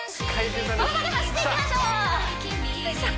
その場で走っていきましょうきたっ！